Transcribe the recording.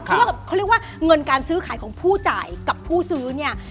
เพราะว่าเขาเรียกว่าเงินการซื้อขายของผู้จ่ายกับผู้ซื้อเนี่ย